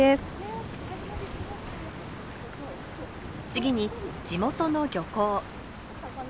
次に地元の漁港。